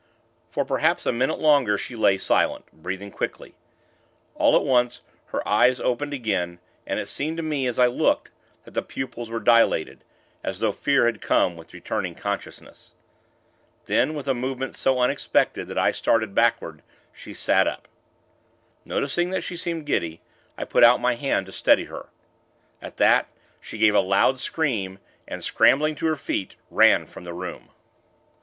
For, perhaps a minute longer, she lay silent, breathing quickly. All at once, her eyes opened again, and it seemed to me, as I looked, that the pupils were dilated, as though fear had come with returning consciousness. Then, with a movement so unexpected that I started backward, she sat up. Noticing that she seemed giddy, I put out my hand to steady her. At that, she gave a loud scream, and, scrambling to her feet, ran from the room.